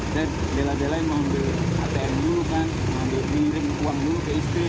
dan jalan jalan mau ambil atm dulu kan mau ambil uang dulu ke istri